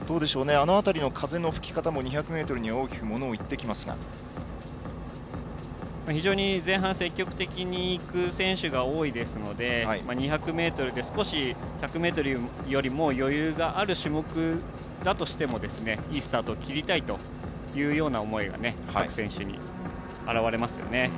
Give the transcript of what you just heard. あの辺りの風の吹き方も２００ｍには前半積極的にいく選手が多いですので２００ｍですと少し１００ｍよりも余裕がある種目だとしてもいいスタートを切りたいというような思いが選手に表れますね。